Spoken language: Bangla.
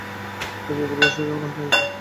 তবে এবার বড়সড় ঝামেলা পাকিয়েছে।